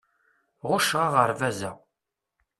Ɣucceɣ aɣerbaz-a.